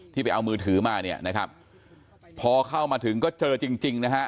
ไปเอามือถือมาเนี่ยนะครับพอเข้ามาถึงก็เจอจริงจริงนะฮะ